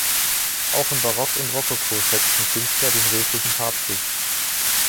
Auch im Barock und Rokoko schätzten Künstler den rötlichen Farbstich.